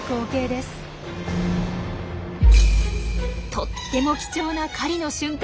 とっても貴重な狩りの瞬間。